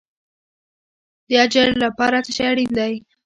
د اجر لپاره څه شی اړین دی؟